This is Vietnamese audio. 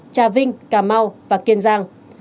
trà vinh cà mau và kiên giang